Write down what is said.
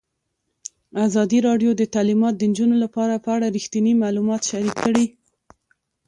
ازادي راډیو د تعلیمات د نجونو لپاره په اړه رښتیني معلومات شریک کړي.